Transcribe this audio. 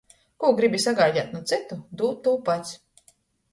Kū gribi sagaideit nu cytu, dūd tū pats.